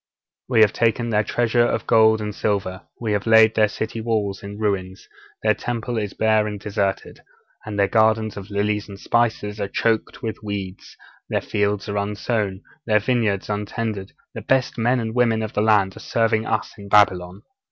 'We have taken their treasure of gold and silver; we have laid their city wall in ruins; their Temple is bare and deserted; their gardens of lilies and spices are choked with weeds; their fields are unsown; their vineyards untended; the best men and women of the land are serving us in Babylon.